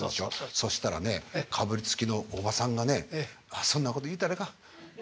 そうしたらねかぶりつきのおばさんがね「そんなこと言うたらいかん。